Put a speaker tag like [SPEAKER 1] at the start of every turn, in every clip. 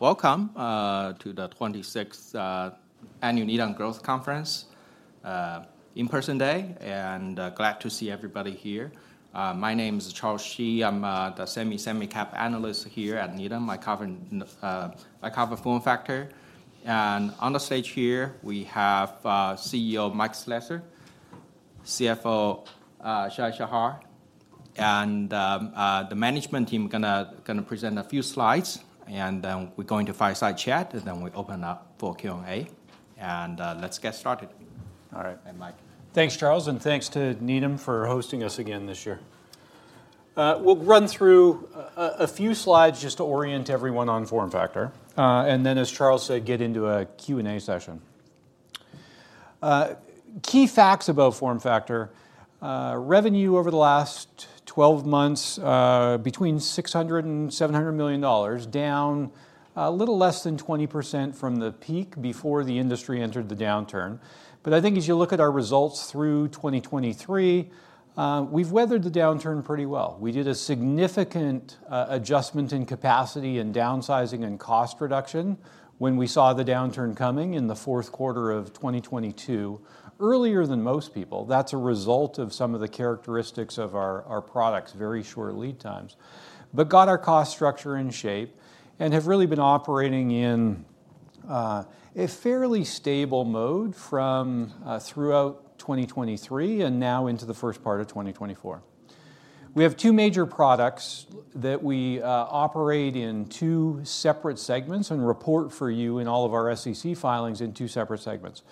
[SPEAKER 1] Welcome to the 26th Annual Needham Growth Conference in-person day, and glad to see everybody here. My name is Charles Shi. I'm the semi-cap analyst here at Needham. I cover FormFactor, and on the stage here, we have CEO Mike Slessor, CFO Shai Shahar, and the management team gonna present a few slides, and then we're going to fireside chat, and then we open up for Q and A. Let's get started.
[SPEAKER 2] All right.
[SPEAKER 1] Hey Mike.
[SPEAKER 2] Thanks, Charles, and thanks to Needham for hosting us again this year. We'll run through a few slides just to orient everyone on FormFactor, and then, as Charles said, get into a Q&A session. Key facts about FormFactor, revenue over the last 12 months, between $600 million and $700 million, down a little less than 20% from the peak before the industry entered the downturn. But I think as you look at our results through 2023, we've weathered the downturn pretty well. We did a significant adjustment in capacity and downsizing and cost reduction when we saw the downturn coming in the fourth quarter of 2022, earlier than most people. That's a result of some of the characteristics of our products, very short lead times. But got our cost structure in shape and have really been operating in a fairly stable mode from throughout 2023 and now into the first part of 2024. We have two major products that we operate in two separate segments and report for you in all of our SEC filings in two separate segments.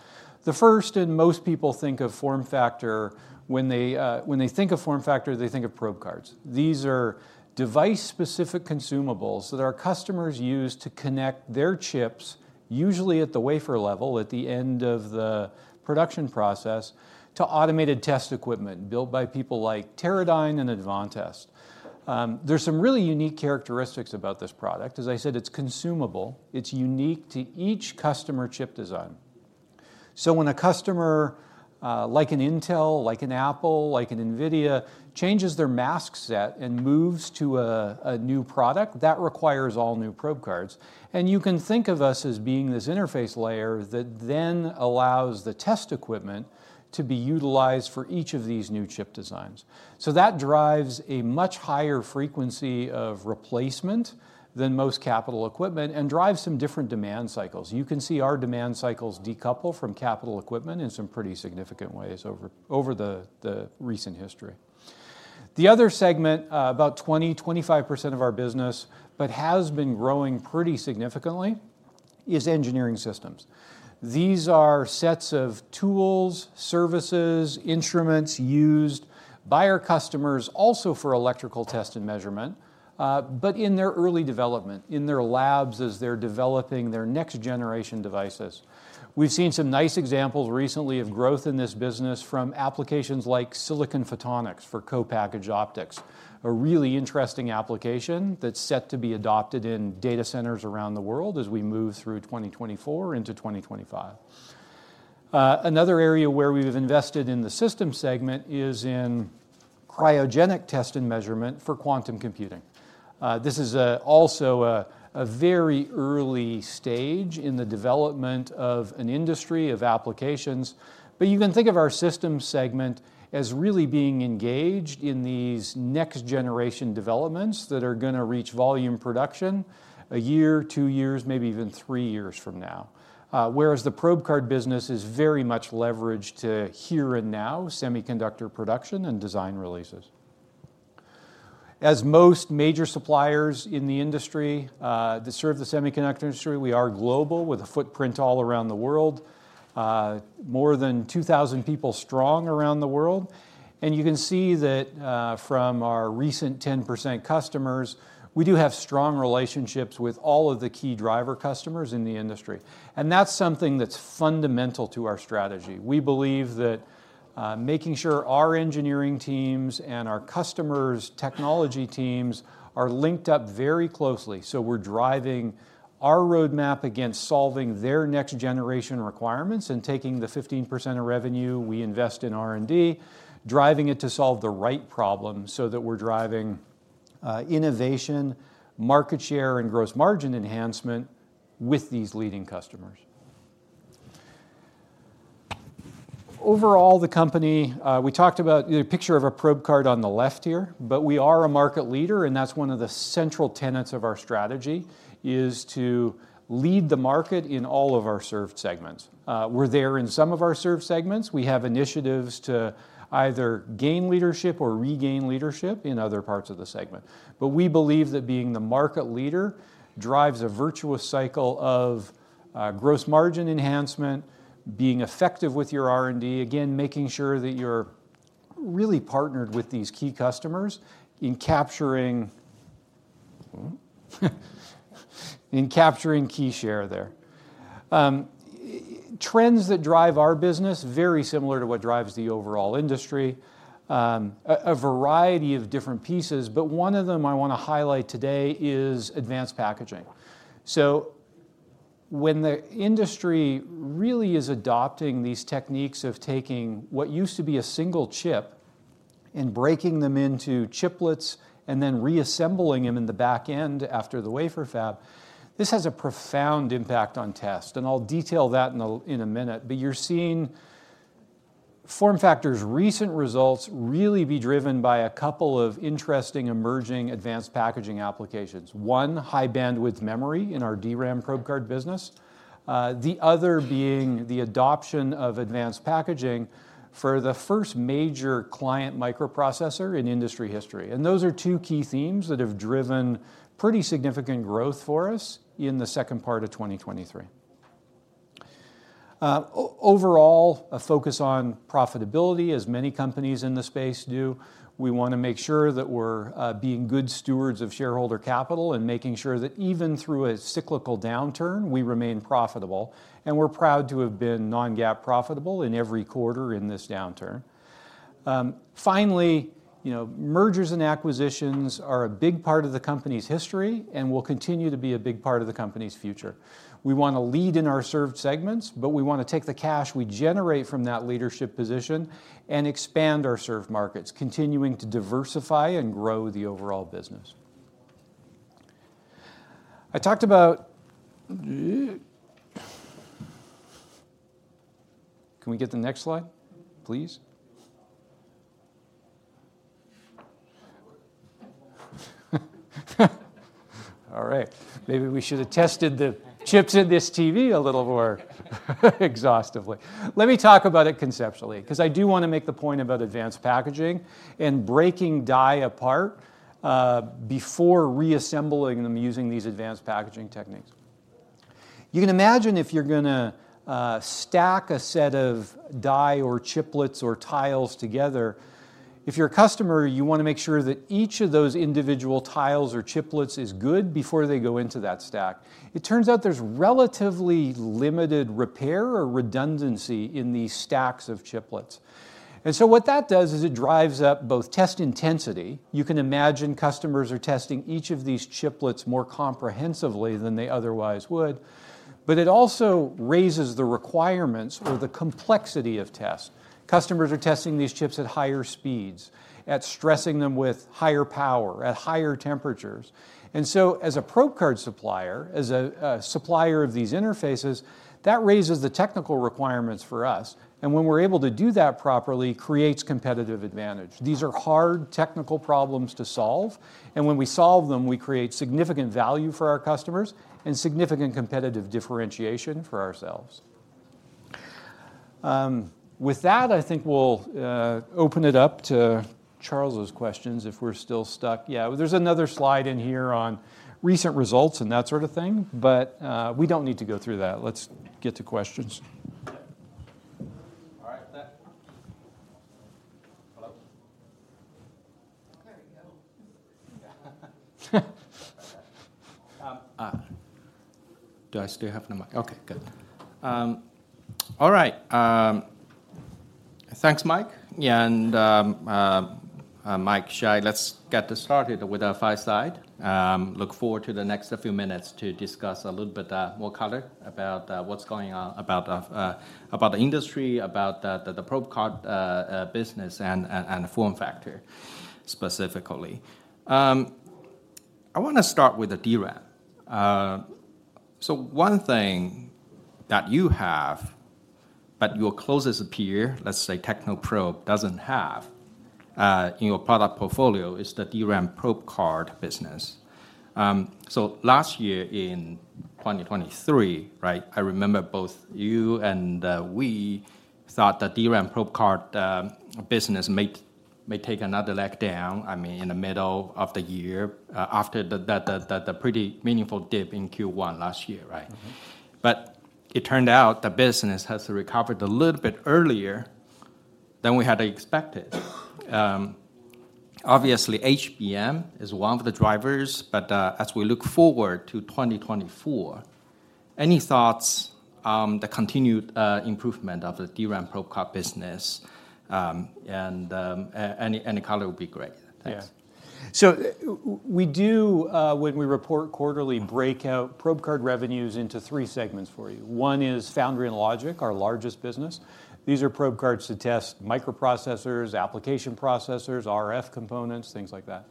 [SPEAKER 2] The first, and most people think of FormFactor; when they think of FormFactor, they think of probe cards. These are device-specific consumables that our customers use to connect their chips, usually at the wafer level, at the end of the production process, to automated test equipment built by people like Teradyne and Advantest. There's some really unique characteristics about this product. As I said, it's consumable. It's unique to each customer chip design. So when a customer, like an Intel, like an Apple, like an NVIDIA, changes their mask set and moves to a new product, that requires all new probe cards, and you can think of us as being this interface layer that then allows the test equipment to be utilized for each of these new chip designs. So that drives a much higher frequency of replacement than most capital equipment and drives some different demand cycles. You can see our demand cycles decouple from capital equipment in some pretty significant ways over the recent history. The other segment, about 25% of our business, but has been growing pretty significantly, is engineering systems. These are sets of tools, services, instruments used by our customers, also for electrical test and measurement, but in their early development, in their labs as they're developing their next-generation devices. We've seen some nice examples recently of growth in this business from applications like silicon photonics for co-packaged optics, a really interesting application that's set to be adopted in data centers around the world as we move through 2024 into 2025. Another area where we've invested in the systems segment is in cryogenic test and measurement for quantum computing. This is also a very early stage in the development of an industry of applications, but you can think of our systems segment as really being engaged in these next-generation developments that are gonna reach volume production a year, two years, maybe even three years from now. Whereas the probe card business is very much leveraged to here and now semiconductor production and design releases. As most major suppliers in the industry, that serve the semiconductor industry, we are global, with a footprint all around the world. More than 2,000 people strong around the world, and you can see that, from our recent 10% customers, we do have strong relationships with all of the key driver customers in the industry, and that's something that's fundamental to our strategy. We believe that, making sure our engineering teams and our customers' technology teams are linked up very closely, so we're driving our roadmap against solving their next-generation requirements and taking the 15% of revenue we invest in R&D, driving it to solve the right problem, so that we're driving, innovation, market share, and gross margin enhancement with these leading customers. Overall, the company, we talked about, you know, a picture of a probe card on the left here, but we are a market leader, and that's one of the central tenets of our strategy, is to lead the market in all of our served segments. We're there in some of our served segments. We have initiatives to either gain leadership or regain leadership in other parts of the segment. But we believe that being the market leader drives a virtuous cycle of, gross margin enhancement, being effective with your R&D, again, making sure that you're really partnered with these key customers in capturing, in capturing key share there. Trends that drive our business, very similar to what drives the overall industry, a variety of different pieces, but one of them I wanna highlight today is advanced packaging. So-... When the industry really is adopting these techniques of taking what used to be a single chip and breaking them into chiplets, and then reassembling them in the back end after the wafer fab, this has a profound impact on test, and I'll detail that in a minute. But you're seeing FormFactor's recent results really be driven by a couple of interesting, emerging advanced packaging applications. One, high bandwidth memory in our DRAM probe card business. The other being the adoption of advanced packaging for the first major client microprocessor in industry history. And those are two key themes that have driven pretty significant growth for us in the second part of 2023. Overall, a focus on profitability, as many companies in this space do. We wanna make sure that we're being good stewards of shareholder capital, and making sure that even through a cyclical downturn, we remain profitable, and we're proud to have been non-GAAP profitable in every quarter in this downturn. Finally, you know, mergers and acquisitions are a big part of the company's history and will continue to be a big part of the company's future. We wanna lead in our served segments, but we wanna take the cash we generate from that leadership position and expand our served markets, continuing to diversify and grow the overall business. I talked about... Can we get the next slide, please? All right. Maybe we should have tested the chips in this TV a little more exhaustively. Let me talk about it conceptually, 'cause I do wanna make the point about advanced packaging and breaking die apart, before reassembling them using these advanced packaging techniques. You can imagine if you're gonna, stack a set of die or chiplets or tiles together, if you're a customer, you wanna make sure that each of those individual tiles or chiplets is good before they go into that stack. It turns out there's relatively limited repair or redundancy in these stacks of chiplets, and so what that does is it drives up both test intensity, you can imagine customers are testing each of these chiplets more comprehensively than they otherwise would, but it also raises the requirements or the complexity of test. Customers are testing these chips at higher speeds, at stressing them with higher power, at higher temperatures. And so as a probe card supplier, as a supplier of these interfaces, that raises the technical requirements for us, and when we're able to do that properly, creates competitive advantage. These are hard technical problems to solve, and when we solve them, we create significant value for our customers and significant competitive differentiation for ourselves. With that, I think we'll open it up to Charles' questions, if we're still stuck. Yeah, there's another slide in here on recent results and that sort of thing, but we don't need to go through that. Let's get to questions.
[SPEAKER 1] All right, then. Hello? Do I still have the mic? Okay, good. All right, thanks, Mike. Yeah, and Mike, Shai, let's get this started with our fireside. Look forward to the next few minutes to discuss a little bit more color about what's going on about the industry, about the probe card business, and FormFactor specifically. I wanna start with the DRAM. So one thing that you have, but your closest peer, let's say Technoprobe, doesn't have in your product portfolio, is the DRAM probe card business. So last year in 2023, right, I remember both you and we thought the DRAM probe card business might, may take another leg down, I mean, in the middle of the year, after the pretty meaningful dip in Q1 last year, right?
[SPEAKER 2] Mm-hmm.
[SPEAKER 1] But it turned out the business has recovered a little bit earlier than we had expected. Obviously, HBM is one of the drivers, but as we look forward to 2024, any thoughts on the continued improvement of the DRAM probe card business? And any color would be great. Thanks.
[SPEAKER 2] Yeah. So we do, when we report quarterly, break out probe card revenues into three segments for you. One is foundry and logic, our largest business. These are probe cards to test microprocessors, application processors, RF components, things like that.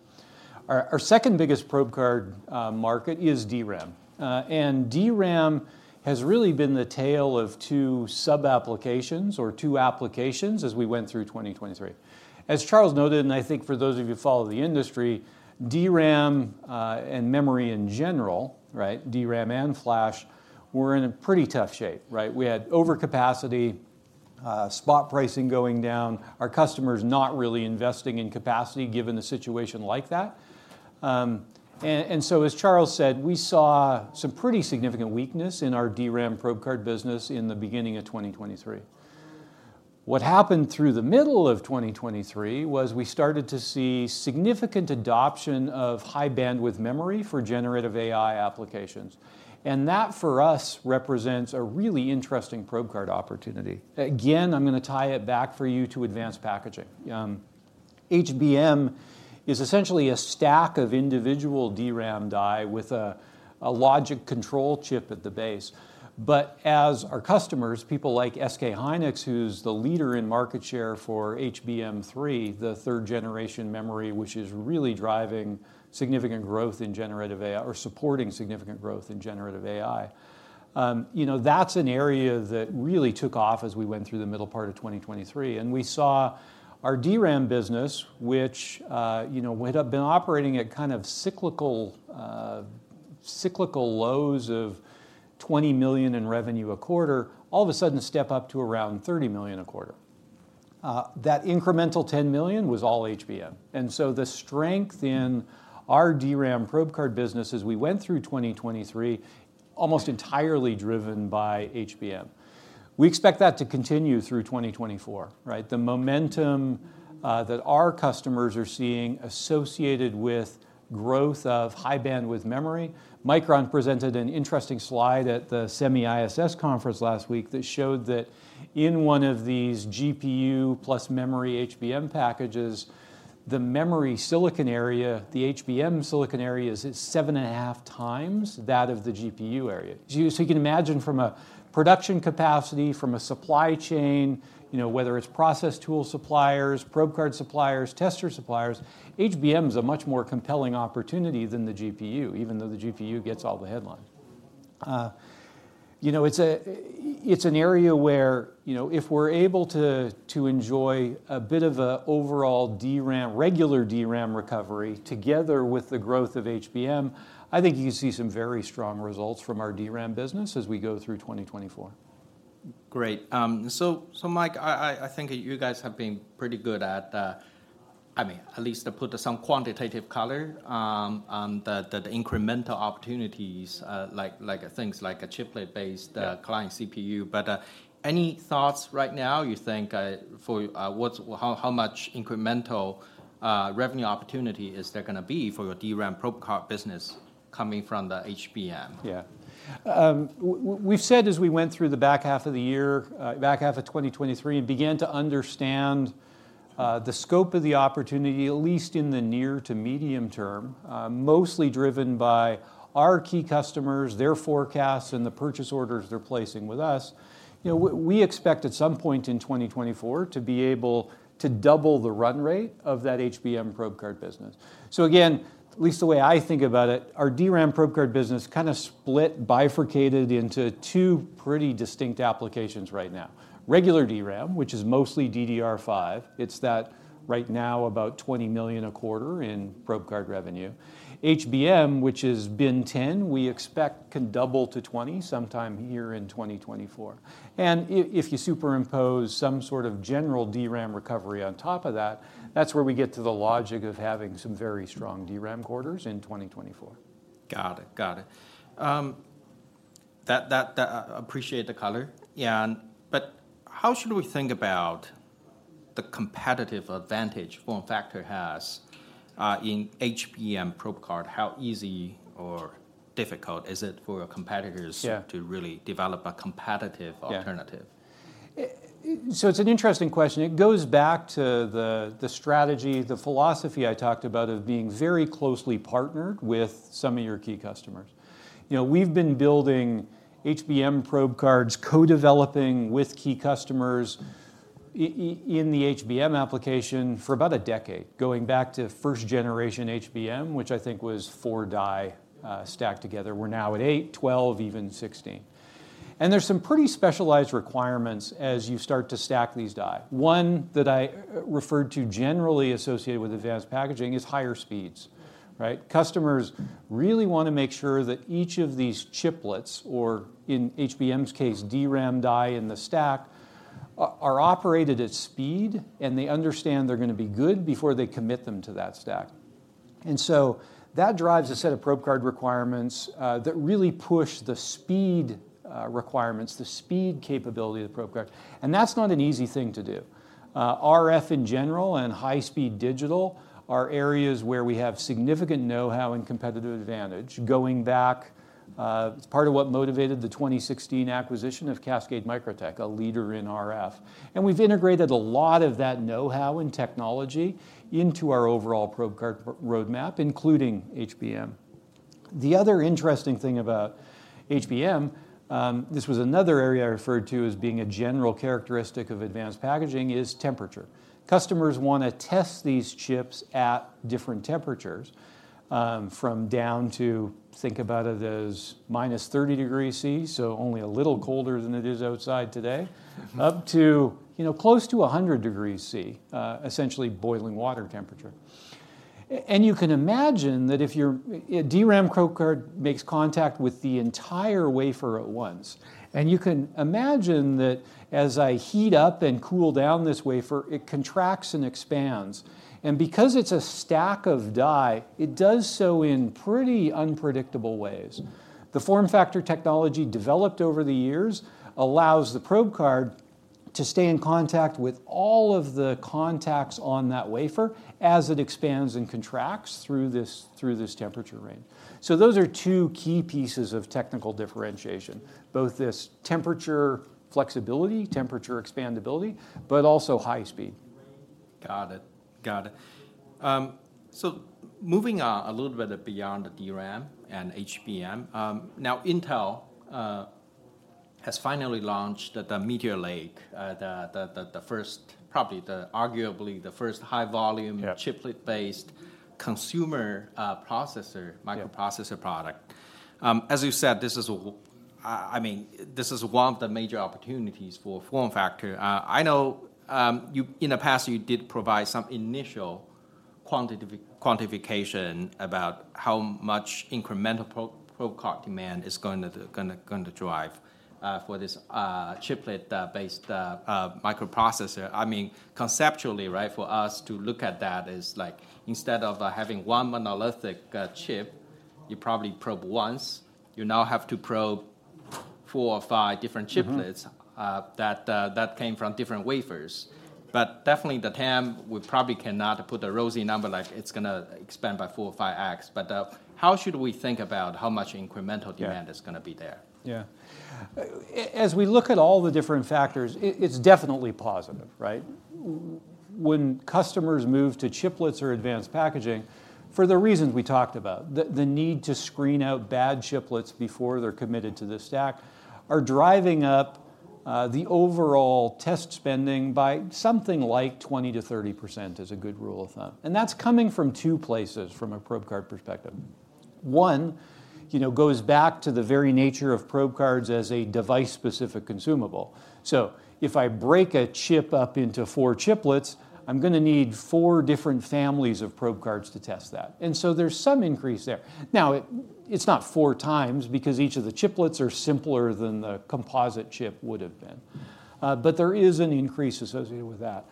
[SPEAKER 2] Our second biggest probe card market is DRAM. And DRAM has really been the tale of two sub-applications or two applications as we went through 2023. As Charles noted, and I think for those of you who follow the industry, DRAM and memory in general, right, DRAM and flash, were in a pretty tough shape, right? We had overcapacity, spot pricing going down, our customers not really investing in capacity, given the situation like that. And so as Charles said, we saw some pretty significant weakness in our DRAM probe card business in the beginning of 2023. What happened through the middle of 2023 was we started to see significant adoption of high-bandwidth memory for generative AI applications, and that, for us, represents a really interesting probe card opportunity. Again, I'm gonna tie it back for you to advanced packaging. HBM is essentially a stack of individual DRAM die with a, a logic control chip at the base. But as our customers, people like SK Hynix, who's the leader in market share for HBM3, the third-generation memory, which is really driving significant growth in generative AI, or supporting significant growth in generative AI. You know, that's an area that really took off as we went through the middle part of 2023, and we saw our DRAM business, which, you know, had been operating at kind of cyclical lows of $20 million in revenue a quarter, all of a sudden step up to around $30 million a quarter. That incremental $10 million was all HBM. And so the strength in our DRAM probe card business as we went through 2023, almost entirely driven by HBM. We expect that to continue through 2024, right? The momentum, that our customers are seeing associated with growth of high-bandwidth memory. Micron presented an interesting slide at the SEMI ISS conference last week that showed that in one of these GPU plus memory HBM packages, the memory silicon area, the HBM silicon area, is at 7.5x that of the GPU area. So you can imagine from a production capacity, from a supply chain, you know, whether it's process tool suppliers, probe card suppliers, tester suppliers, HBM is a much more compelling opportunity than the GPU, even though the GPU gets all the headlines. You know, it's an area where, you know, if we're able to enjoy a bit of a overall DRAM, regular DRAM recovery together with the growth of HBM, I think you see some very strong results from our DRAM business as we go through 2024.
[SPEAKER 1] Great. So, Mike, I think you guys have been pretty good at, I mean, at least to put some quantitative color on the incremental opportunities, like things like a chiplet-based client CPU.
[SPEAKER 2] Yeah
[SPEAKER 1] But, any thoughts right now you think, for, what's—how much incremental revenue opportunity is there gonna be for your DRAM probe card business coming from the HBM?
[SPEAKER 2] Yeah. We've said as we went through the back half of the year, back half of 2023, began to understand, the scope of the opportunity, at least in the near to medium term, mostly driven by our key customers, their forecasts, and the purchase orders they're placing with us. You know, we expect at some point in 2024 to be able to double the run rate of that HBM probe card business. So again, at least the way I think about it, our DRAM probe card business kind of split, bifurcated into two pretty distinct applications right now. Regular DRAM, which is mostly DDR5, it's that right now, about $20 million a quarter in probe card revenue. HBM, which is 10, we expect can double to 20 sometime here in 2024. If you superimpose some sort of general DRAM recovery on top of that, that's where we get to the logic of having some very strong DRAM quarters in 2024.
[SPEAKER 1] Got it. Got it. Appreciate the color. Yeah, and but how should we think about the competitive advantage FormFactor has in HBM probe card? How easy or difficult is it for your competitors-
[SPEAKER 2] Yeah...
[SPEAKER 1] to really develop a competitive alternative?
[SPEAKER 2] Yeah. So it's an interesting question. It goes back to the strategy, the philosophy I talked about of being very closely partnered with some of your key customers. You know, we've been building HBM probe cards, co-developing with key customers in the HBM application for about a decade, going back to first generation HBM, which I think was four die stacked together. We're now at eight, 12, even 16. And there's some pretty specialized requirements as you start to stack these die. One that I referred to, generally associated with advanced packaging, is higher speeds, right? Customers really wanna make sure that each of these chiplets, or in HBM's case, DRAM die in the stack, are operated at speed, and they understand they're gonna be good before they commit them to that stack. So that drives a set of probe card requirements, that really push the speed requirements, the speed capability of the probe card, and that's not an easy thing to do. RF in general and high-speed digital are areas where we have significant know-how and competitive advantage going back. It's part of what motivated the 2016 acquisition of Cascade Microtech, a leader in RF, and we've integrated a lot of that know-how and technology into our overall probe card roadmap, including HBM. The other interesting thing about HBM, this was another area I referred to as being a general characteristic of advanced packaging, is temperature. Customers wanna test these chips at different temperatures, from down to, think about it as minus 30 degrees Celsius, so only a little colder than it is outside today. Up to, you know, close to 100 degrees Celsius, essentially boiling water temperature. And you can imagine that if your a DRAM probe card makes contact with the entire wafer at once, and you can imagine that as I heat up and cool down this wafer, it contracts and expands, and because it's a stack of die, it does so in pretty unpredictable ways. The FormFactor technology, developed over the years, allows the probe card to stay in contact with all of the contacts on that wafer as it expands and contracts through this temperature range. So those are two key pieces of technical differentiation, both this temperature flexibility, temperature expandability, but also high speed.
[SPEAKER 1] Got it. Got it. So moving a little bit beyond the DRAM and HBM, now Intel has finally launched the Meteor Lake, the first, probably arguably the first high volume-
[SPEAKER 2] Yeah
[SPEAKER 1] chiplet-based consumer, processor-
[SPEAKER 2] Yeah
[SPEAKER 1] microprocessor product. As you said, I mean, this is one of the major opportunities for FormFactor. I know, you, in the past, you did provide some initial quantification about how much incremental probe card demand is going to drive, for this chiplet based microprocessor. I mean, conceptually, right, for us to look at that is like, instead of, having one monolithic chip, you probably probe once, you now have to probe four or five different chiplets that, that came from different wafers. But definitely the TAM, we probably cannot put a rosy number, like it's gonna expand by 4x or 5x. But, how should we think about how much incremental demand is gonna be there?
[SPEAKER 2] Yeah. As we look at all the different factors, it's definitely positive, right? When customers move to chiplets or advanced packaging, for the reasons we talked about, the need to screen out bad chiplets before they're committed to the stack are driving up the overall test spending by something like 20%-30%, is a good rule of thumb. And that's coming from two places from a probe card perspective. One, you know, goes back to the very nature of probe cards as a device-specific consumable. So if I break a chip up into four chiplets, I'm gonna need four different families of probe cards to test that. And so there's some increase there. Now, it's not four times, because each of the chiplets are simpler than the composite chip would have been. But there is an increase associated with that.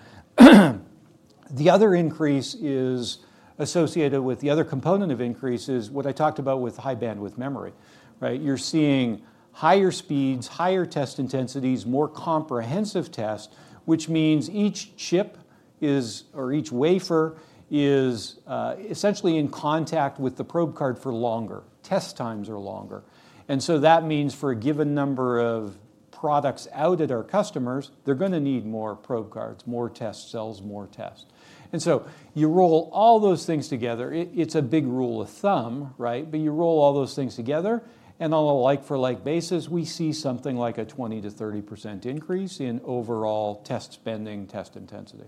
[SPEAKER 2] The other increase is associated with... The other component of increase is what I talked about with high-bandwidth memory, right? You're seeing higher speeds, higher test intensities, more comprehensive tests, which means each chip is, or each wafer is, essentially in contact with the probe card for longer. Test times are longer. And so that means for a given number of products out at our customers, they're gonna need more probe cards, more test cells, more tests. And so you roll all those things together, it's a big rule of thumb, right? But you roll all those things together, and on a like-for-like basis, we see something like a 20%-30% increase in overall test spending, test intensity.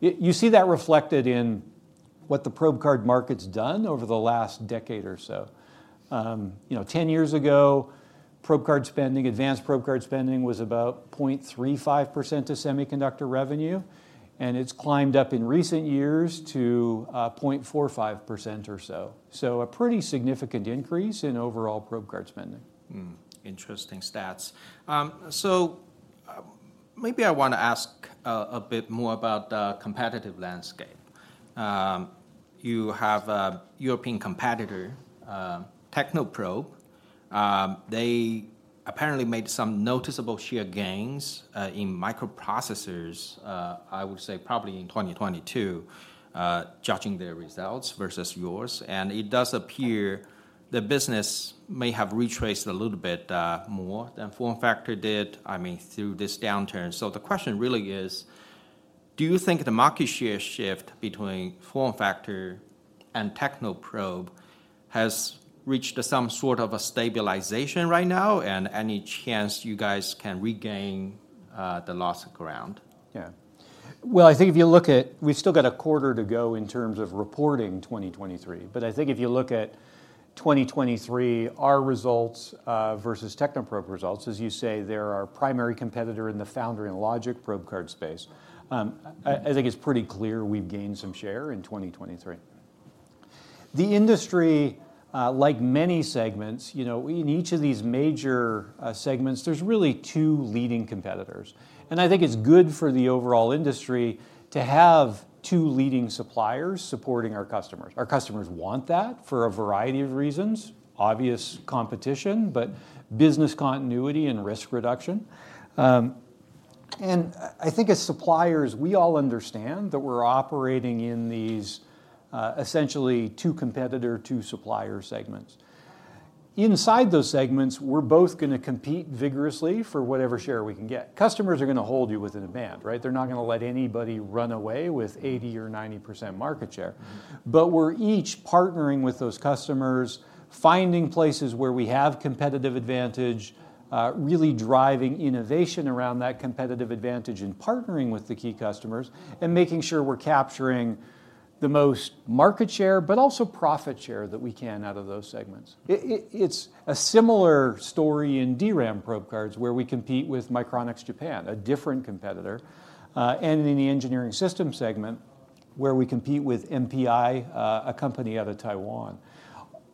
[SPEAKER 2] You see that reflected in what the probe card market's done over the last decade or so. You know, 10 years ago, probe card spending, advanced probe card spending, was about 0.35% of semiconductor revenue, and it's climbed up in recent years to 0.45% or so. So a pretty significant increase in overall probe card spending.
[SPEAKER 1] Hmm, interesting stats. Maybe I wanna ask a bit more about the competitive landscape. You have a European competitor, Technoprobe. They apparently made some noticeable share gains in microprocessors, I would say probably in 2022, judging their results versus yours. It does appear the business may have retraced a little bit more than FormFactor did, I mean, through this downturn. The question really is, do you think the market share shift between FormFactor and Technoprobe has reached some sort of a stabilization right now? And any chance you guys can regain the lost ground?
[SPEAKER 2] Yeah. Well, I think if you look at... We've still got a quarter to go in terms of reporting 2023, but I think if you look at 2023, our results versus Technoprobe results, as you say, they're our primary competitor in the foundry and logic probe card space. I think it's pretty clear we've gained some share in 2023. The industry, like many segments, you know, in each of these major segments, there's really two leading competitors. And I think it's good for the overall industry to have two leading suppliers supporting our customers. Our customers want that for a variety of reasons, obvious competition, but business continuity and risk reduction. I think as suppliers, we all understand that we're operating in these essentially two competitor, two supplier segments. Inside those segments, we're both gonna compete vigorously for whatever share we can get. Customers are gonna hold you within a band, right? They're not gonna let anybody run away with 80% or 90% market share. But we're each partnering with those customers, finding places where we have competitive advantage, really driving innovation around that competitive advantage and partnering with the key customers, and making sure we're capturing the most market share, but also profit share, that we can out of those segments. It's a similar story in DRAM probe cards, where we compete with Micronics Japan, a different competitor, and in the engineering system segment, where we compete with MPI, a company out of Taiwan.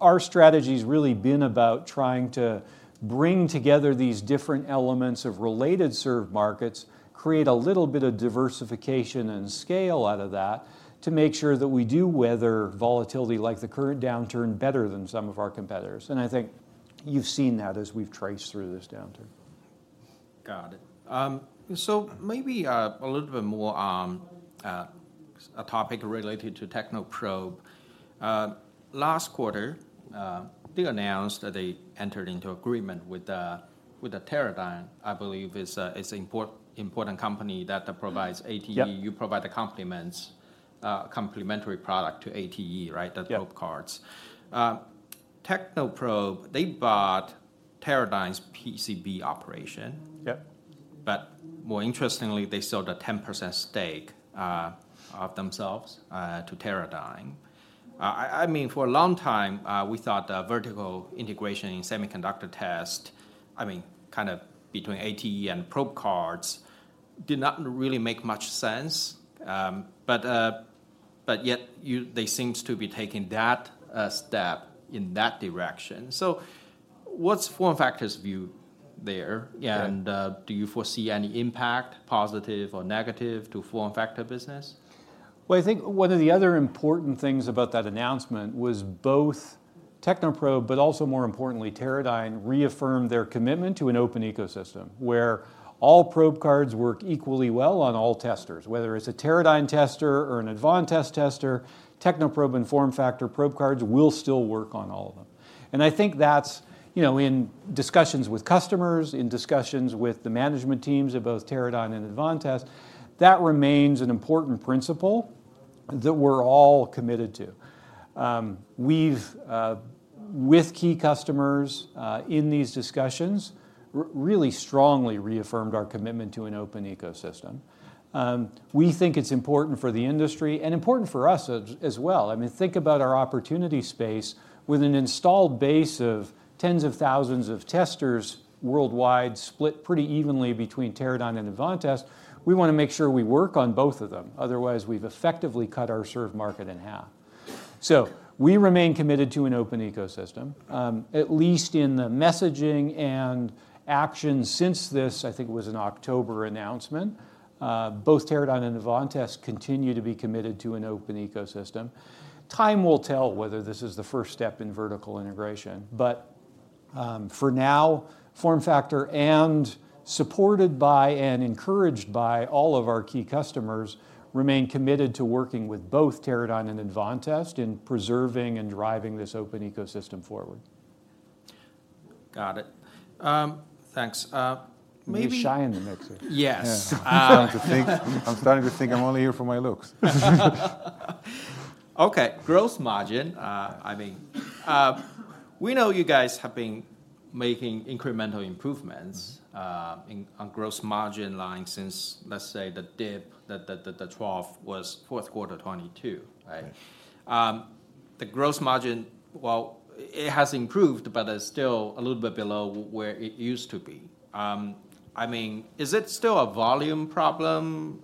[SPEAKER 2] Our strategy's really been about trying to bring together these different elements of related served markets, create a little bit of diversification and scale out of that, to make sure that we do weather volatility, like the current downturn, better than some of our competitors. I think you've seen that as we've traced through this downturn.
[SPEAKER 1] Got it. So maybe a little bit more, a topic related to Technoprobe. Last quarter, they announced that they entered into agreement with the Teradyne. I believe it's an important company that provides ATE.
[SPEAKER 2] Yep.
[SPEAKER 1] You provide the complements, complementary product to ATE, right?
[SPEAKER 2] Yep.
[SPEAKER 1] The probe cards. Technoprobe, they bought Teradyne's PCB operation.
[SPEAKER 2] Yep.
[SPEAKER 1] But more interestingly, they sold a 10% stake of themselves to Teradyne. I mean, for a long time, we thought that vertical integration in semiconductor test, I mean, kind of between ATE and probe cards, did not really make much sense. But yet, they seem to be taking that step in that direction. So what's FormFactor's view there?
[SPEAKER 2] Yeah.
[SPEAKER 1] Do you foresee any impact, positive or negative, to FormFactor business?
[SPEAKER 2] Well, I think one of the other important things about that announcement was both Technoprobe, but also more importantly, Teradyne, reaffirmed their commitment to an open ecosystem, where all probe cards work equally well on all testers. Whether it's a Teradyne tester or an Advantest tester, Technoprobe and FormFactor probe cards will still work on all of them. I think that's, you know, in discussions with customers, in discussions with the management teams of both Teradyne and Advantest, that remains an important principle that we're all committed to. We've with key customers in these discussions really strongly reaffirmed our commitment to an open ecosystem. We think it's important for the industry and important for us as well. I mean, think about our opportunity space with an installed base of tens of thousands of testers worldwide, split pretty evenly between Teradyne and Advantest. We wanna make sure we work on both of them, otherwise, we've effectively cut our served market in half. So we remain committed to an open ecosystem. At least in the messaging and action since this, I think it was an October announcement, both Teradyne and Advantest continue to be committed to an open ecosystem. Time will tell whether this is the first step in vertical integration, but for now, FormFactor, and supported by and encouraged by all of our key customers, remain committed to working with both Teradyne and Advantest in preserving and driving this open ecosystem forward.
[SPEAKER 1] Got it. Thanks.
[SPEAKER 2] You're Shai in the mix.
[SPEAKER 1] Yes.
[SPEAKER 2] Yeah.
[SPEAKER 3] I'm starting to think, I'm starting to think I'm only here for my looks.
[SPEAKER 1] Okay, gross margin. I mean, we know you guys have been making incremental improvements in on gross margin line since, let's say, the dip, the 12 was fourth quarter 2022, right?
[SPEAKER 2] Right.
[SPEAKER 1] The gross margin, well, it has improved, but it's still a little bit below where it used to be. I mean, is it still a volume problem,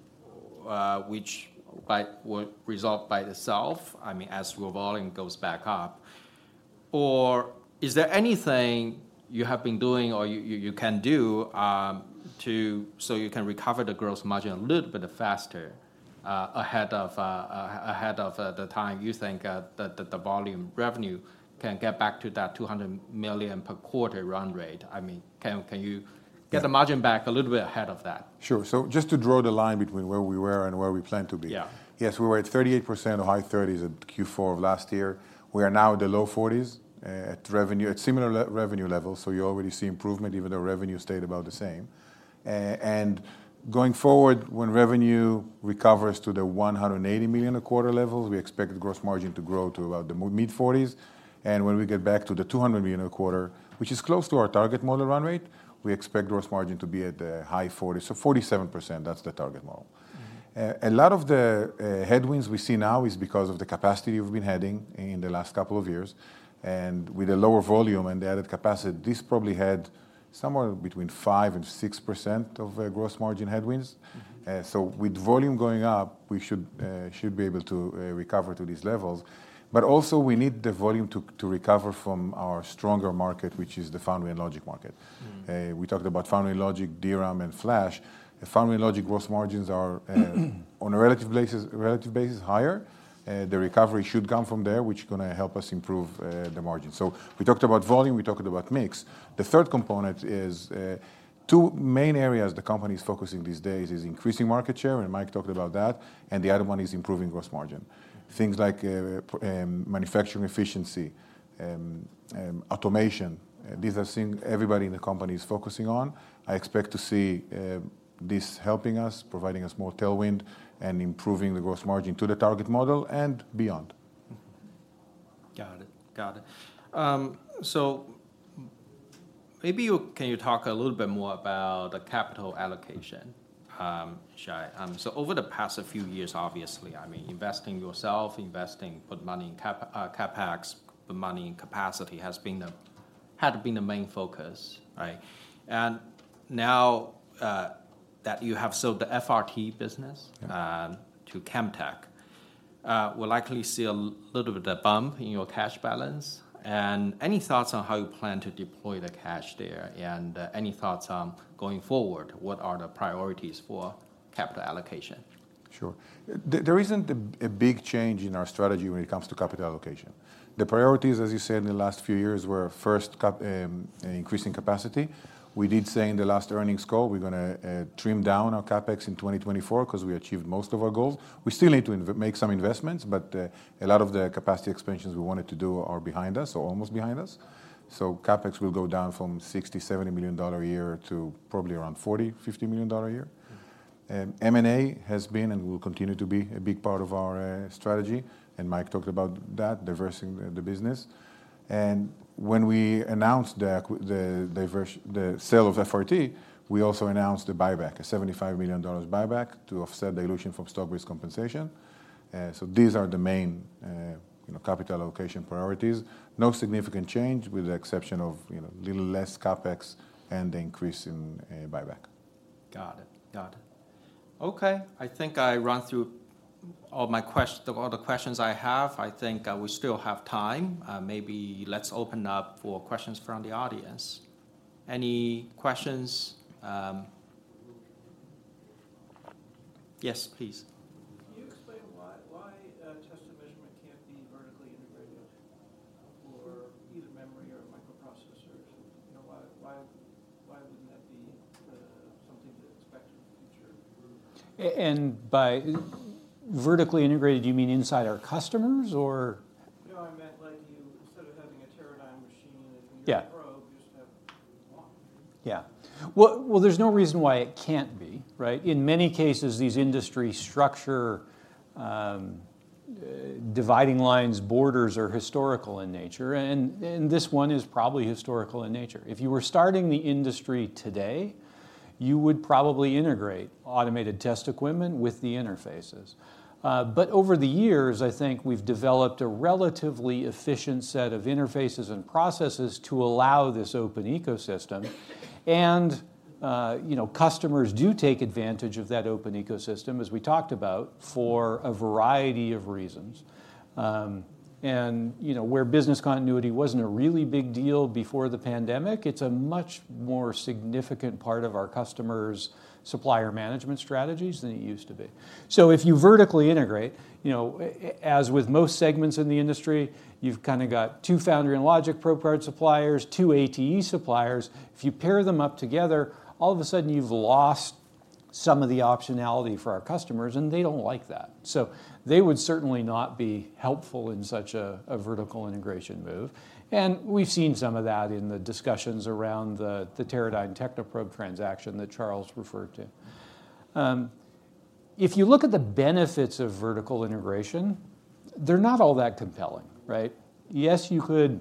[SPEAKER 1] which by would resolve by itself, I mean, as your volume goes back up? Or is there anything you have been doing or you can do, to so you can recover the gross margin a little bit faster, ahead of the time you think, the volume revenue can get back to that $200 million per quarter run rate? I mean, can you-
[SPEAKER 2] Get the margin back a little bit ahead of that?
[SPEAKER 3] Sure. So just to draw the line between where we were and where we plan to be.
[SPEAKER 1] Yeah.
[SPEAKER 3] Yes, we were at 38% or high 30s at Q4 of last year. We are now at the low 40s, at revenue, at similar revenue levels, so you already see improvement, even though revenue stayed about the same. And going forward, when revenue recovers to the $180 million a quarter level, we expect the gross margin to grow to about the mid-40s. And when we get back to the $200 million a quarter, which is close to our target model run rate, we expect gross margin to be at the high 40s. So 47%, that's the target model.
[SPEAKER 1] Mm-hmm.
[SPEAKER 3] A lot of the headwinds we see now is because of the capacity we've been adding in the last couple of years, and with a lower volume and the added capacity, this probably had somewhere between 5%-6% of gross margin headwinds.
[SPEAKER 1] Mm-hmm.
[SPEAKER 3] So with volume going up, we should be able to recover to these levels. But also, we need the volume to recover from our stronger market, which is the foundry and logic market.
[SPEAKER 1] Mm.
[SPEAKER 3] We talked about foundry logic, DRAM, and flash. The foundry logic gross margins are, on a relative basis, relative basis, higher. The recovery should come from there, which gonna help us improve the margin. So we talked about volume, we talked about mix. The third component is two main areas the company is focusing these days is increasing market share, and Mike talked about that, and the other one is improving gross margin.
[SPEAKER 1] Mm.
[SPEAKER 3] Things like, manufacturing efficiency, automation.
[SPEAKER 1] Mm.
[SPEAKER 3] These are things everybody in the company is focusing on. I expect to see this helping us, providing us more tailwind, and improving the gross margin to the target model and beyond.
[SPEAKER 1] Mm-hmm. Got it. Got it. So maybe you, can you talk a little bit more about the capital allocation, Shai? So over the past few years, obviously, I mean, investing yourself, investing, put money in CapEx, the money and capacity had been the main focus, right? And now, that you have sold the FRT business to Camtek, we'll likely see a little bit of bump in your cash balance. And any thoughts on how you plan to deploy the cash there? And any thoughts on going forward, what are the priorities for capital allocation?
[SPEAKER 3] Sure. There isn't a big change in our strategy when it comes to capital allocation. The priorities, as you said, in the last few years, were first CapEx, increasing capacity. We did say in the last earnings call, we're gonna trim down our CapEx in 2024 'cause we achieved most of our goals. We still need to make some investments, but a lot of the capacity expansions we wanted to do are behind us or almost behind us. So CapEx will go down from $60 million-$70 million a year to probably around $40 million-$50 million a year. M&A has been, and will continue to be, a big part of our strategy, and Mike talked about that, diversifying the business. When we announced the sale of FRT, we also announced a buyback, a $75 million buyback to offset dilution from stock-based compensation. So these are the main, you know, capital allocation priorities. No significant change, with the exception of, you know, little less CapEx and the increase in buyback.
[SPEAKER 1] Got it. Got it. Okay, I think I run through all the questions I have. I think, we still have time. Maybe let's open up for questions from the audience. Any questions? Yes, please.
[SPEAKER 4] Can you explain why test and measurement can't be vertically integrated for either memory or microprocessors? You know, why wouldn't that be something to expect in the future?
[SPEAKER 2] And by vertically integrated, you mean inside our customers, or?
[SPEAKER 4] No, I meant like you, instead of having a Teradyne machine and a probe, you just have one.
[SPEAKER 2] Yeah. Well, well, there's no reason why it can't be, right? In many cases, these industry structure, dividing lines, borders, are historical in nature, and, and this one is probably historical in nature. If you were starting the industry today, you would probably integrate automated test equipment with the interfaces. But over the years, I think we've developed a relatively efficient set of interfaces and processes to allow this open ecosystem. And, you know, customers do take advantage of that open ecosystem, as we talked about, for a variety of reasons. And, you know, where business continuity wasn't a really big deal before the pandemic, it's a much more significant part of our customers' supplier management strategies than it used to be. So if you vertically integrate, you know, as with most segments in the industry, you've kind of got two foundry and logic probe card suppliers, two ATE suppliers. If you pair them up together, all of a sudden, you've lost some of the optionality for our customers, and they don't like that. So they would certainly not be helpful in such a vertical integration move, and we've seen some of that in the discussions around the Teradyne Technoprobe transaction that Charles referred to. If you look at the benefits of vertical integration, they're not all that compelling, right? Yes, you could...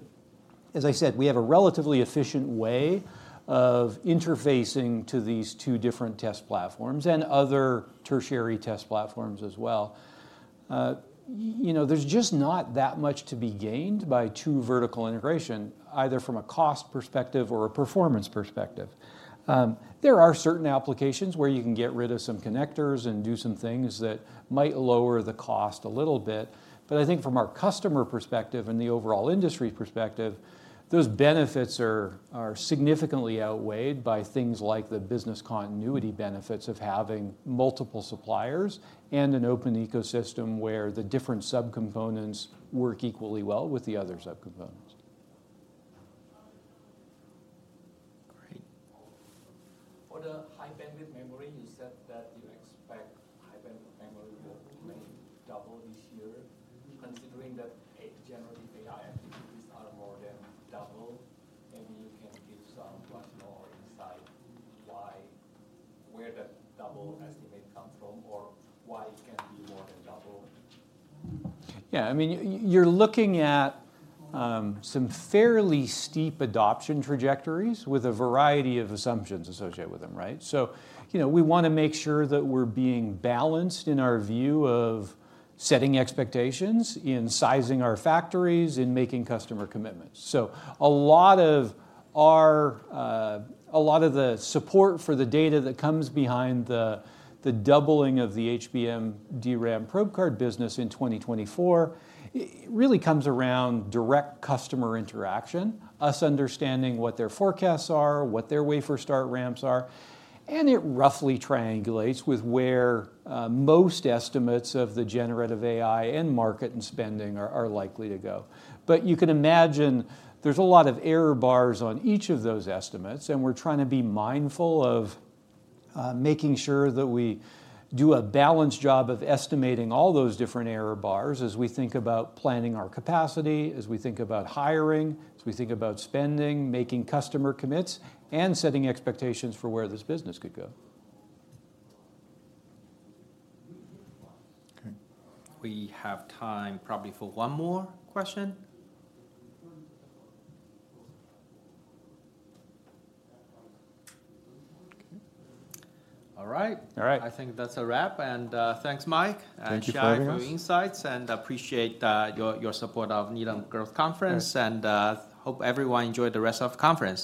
[SPEAKER 2] As I said, we have a relatively efficient way of interfacing to these two different test platforms and other tertiary test platforms as well. You know, there's just not that much to be gained by true vertical integration, either from a cost perspective or a performance perspective. There are certain applications where you can get rid of some connectors and do some things that might lower the cost a little bit, but I think from our customer perspective and the overall industry perspective, those benefits are significantly outweighed by things like the business continuity benefits of having multiple suppliers and an open ecosystem where the different subcomponents work equally well with the other subcomponents.
[SPEAKER 1] Great.
[SPEAKER 5] For the high-bandwidth memory, you said that you expect high-bandwidth memory will maybe double this year. Considering that generative AI activities are more than double, maybe you can give some much more insight why, where that double estimate comes from or why it can be more than double?
[SPEAKER 2] Yeah, I mean, you're looking at some fairly steep adoption trajectories with a variety of assumptions associated with them, right? So, you know, we wanna make sure that we're being balanced in our view of setting expectations, in sizing our factories, in making customer commitments. So a lot of our, a lot of the support for the data that comes behind the doubling of the HBM DRAM probe card business in 2024 really comes around direct customer interaction, us understanding what their forecasts are, what their wafer start ramps are, and it roughly triangulates with where most estimates of the generative AI end market and spending are likely to go. You can imagine there's a lot of error bars on each of those estimates, and we're trying to be mindful of making sure that we do a balanced job of estimating all those different error bars as we think about planning our capacity, as we think about hiring, as we think about spending, making customer commits, and setting expectations for where this business could go.
[SPEAKER 5] Okay.
[SPEAKER 1] We have time probably for one more question. Okay. All right.
[SPEAKER 2] All right.
[SPEAKER 1] I think that's a wrap, and thanks, Mike.
[SPEAKER 2] Thank you for having us.
[SPEAKER 1] and Shai, for your insights, and appreciate your support of Needham Growth Conference, and hope everyone enjoyed the rest of the conference.